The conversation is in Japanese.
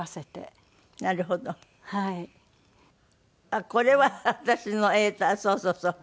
あっこれは私のそうそうそう。